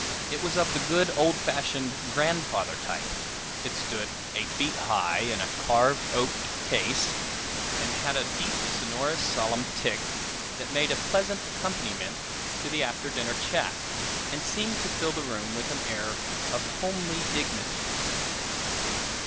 It was of the good old fashioned "grandfather" type. It stood eight feet high, in a carved oak case, and had a deep, sonorous, solemn tick, that made a pleasant accompaniment to the after dinner chat, and seemed to fill the room with an air of homely dignity.